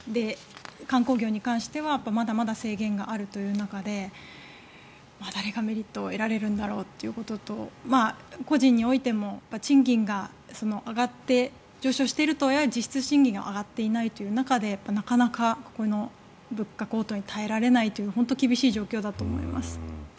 観光業に関してはまだまだ制限があるという中で誰がメリットを得られるんだろうということと個人においても賃金が上がって上昇しているとはいえ実質賃金が上がっていない中でなかなか、この物価高騰に耐えられないという厳しい状況だと思います。